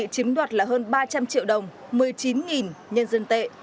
chiếm đoạt là hơn ba trăm linh triệu đồng một mươi chín nhân dân tệ